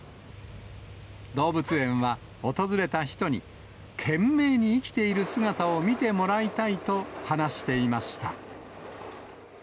動物園は、訪れた人に、懸命に生きている姿を見てもらいたいと話していました。